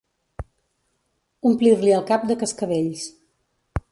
Omplir-li el cap de cascavells.